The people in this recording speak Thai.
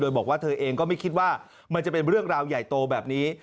โดยบอกว่าเธอเองก็ไม่คิดว่ามันจะเป็นเรื่องราวใหญ่โตแบบนี้